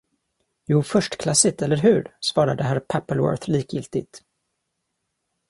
”Jo, förstklassigt, eller hur?” svarade herr Pappleworth likgiltigt.